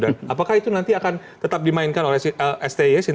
apakah itu nanti akan tetap dimainkan oleh sti yasin